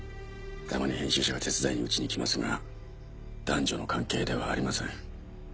たまに編集者が手伝いに家に来ますが男女の関係ではありません。